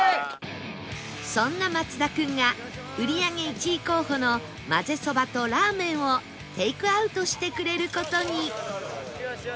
そんな松田君が売り上げ１位候補のまぜそばとラーメンをテイクアウトしてくれる事に